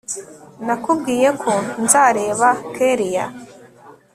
nakubwiye ko nzareba kellia